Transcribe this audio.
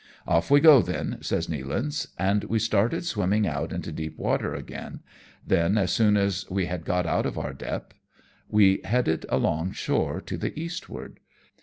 " Off we go then/' says Nealance ; and we started swimming out into deep water again ; then, as soon as we had got out of our depth, we headed along ashore t o the eastward.